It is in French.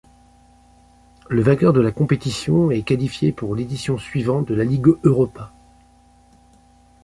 Le vainqueur de la compétition est qualifié pour l'édition suivante de la Ligue Europa.